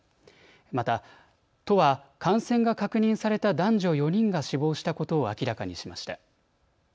また、都は感染が確認された男女４人が死亡したことを明らかにしました。